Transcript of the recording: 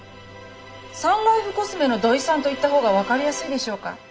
サンライフコスメの土井さんと言った方が分かりやすいでしょうか。